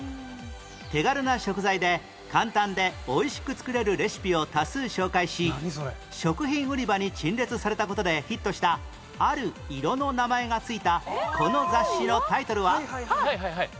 手軽な食材で簡単でおいしく作れるレシピを多数紹介し食品売り場に陳列された事でヒットしたある色の名前が付いたこの雑誌のタイトルは？